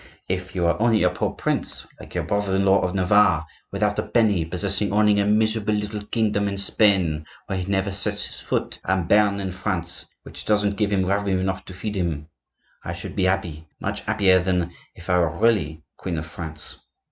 "If you were only a poor prince, like your brother in law of Navarre, without a penny, possessing only a miserable little kingdom in Spain where he never sets his foot, and Bearn in France which doesn't give him revenue enough to feed him, I should be happy, much happier than if I were really Queen of France."